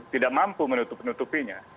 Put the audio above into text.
tidak mampu menutupi menutupinya